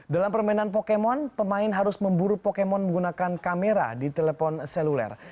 dalam permainan pokemon pemain harus memburu pokemon menggunakan kamera di telepon seluler